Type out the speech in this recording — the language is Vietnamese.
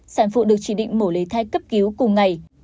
sản phụ được chỉ định mổ lấy thai cấp cứu cùng ngày